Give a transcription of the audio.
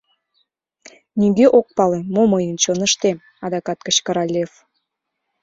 — Нигӧ ок пале, мо мыйын чоныштем! — адакат кычкыра Лев.